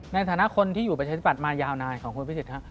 ในฐานะคนที่อยู่ประชาธิบัตย์มายาวนานของคุณพิสิทธฮะ